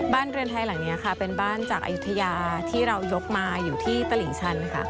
เรือนไทยหลังนี้ค่ะเป็นบ้านจากอายุทยาที่เรายกมาอยู่ที่ตลิ่งชันค่ะ